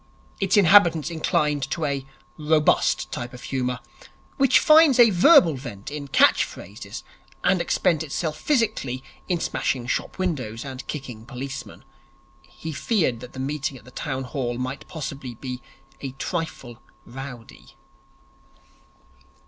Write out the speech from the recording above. Its inhabitants incline to a robust type of humour, which finds a verbal vent in catch phrases and expends itself physically in smashing shop windows and kicking policemen. He feared that the meeting at the Town Hall might possibly be a trifle rowdy.